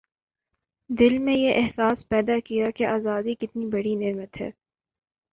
دل میں یہ احساس پیدا کیا کہ آزادی کتنی بڑی نعمت ہے